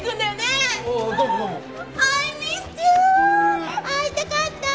えっ会いたかった！